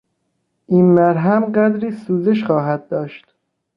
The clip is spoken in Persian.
این مرهم قدری سوزش خواهد داشت.